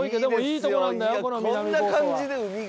いやこんな感じで海が。